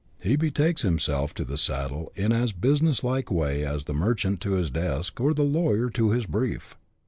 He betakes himself to the saddle in as business like a way as the merchant to his desk, or the lawyer to his brief.